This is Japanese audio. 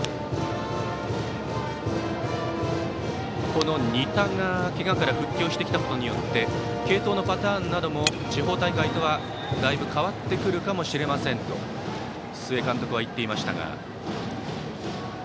この仁田が、けがから復帰をしてきたことによって継投のパターンなども地方大会とはだいぶ変わってくるかもしれませんと須江監督は言っていました。